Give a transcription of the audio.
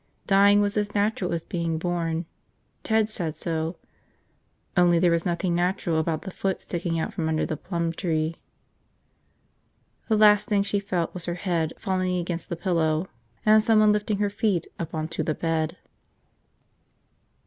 Dying was as natural as being born – Ted said so – only there was nothing natural about the foot sticking out from under the plum tree. ... The last thing she felt was her head falling against the pillow and someone lifting her feet up onto the bed.